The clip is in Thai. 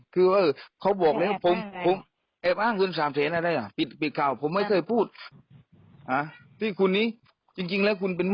แต่แหวนไม่ได้อยู่บ้าน